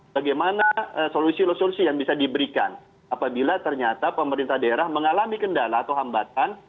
bagaimana solusi resolusi yang bisa diberikan apabila ternyata pemerintah daerah mengalami kendala atau hambatan